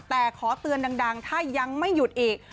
แต่ขอเตือนดังถ้ายังไม่หยุดอีก